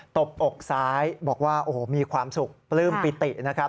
ตบอกซ้ายบอกว่ามีความสุขปลื้มปิตินะครับ